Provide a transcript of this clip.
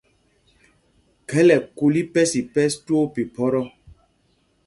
Khɛl ɛkul ipɛs ipɛs twóó phiphɔ́tɔ́.